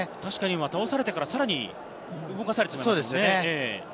倒されてからさらに動かされていましたね。